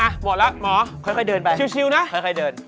หมดแล้วหมอชิลนะค่อยเดินไปค่อยเดิน